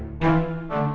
gak kecanduan hp